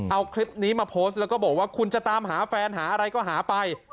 เอาคลิปนี้มาโพสต์แล้วก็บอกว่าคุณจะตามหาแฟนหาอะไรก็หาไป